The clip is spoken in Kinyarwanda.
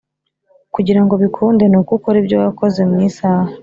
kugira ngo bikunde nuko ukora ibyo wakoze mu isaha